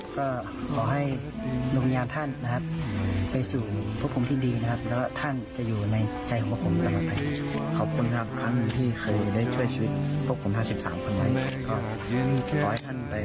ขอให้ลูกญาณท่านไปสู่พวกผมที่ดีท่านจะอยู่ในใจของผมตลอดไป